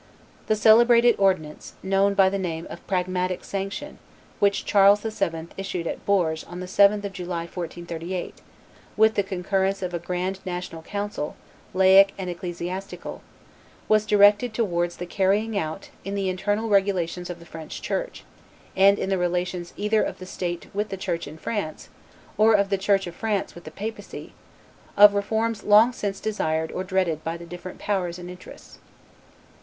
The celebrated ordinance, known by the name of Pragmatic Sanction, which Charles VII. issued at Bourges on the 7th of July, 1438, with the concurrence of a grand national council, laic and ecclesiastical, was directed towards the carrying out, in the internal regulations of the French Church, and in the relations either of the State with the Church in France, or of the Church of France with the papacy, of reforms long since desired or dreaded by the different powers and interests.